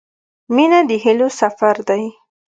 • مینه د هیلو سفر دی.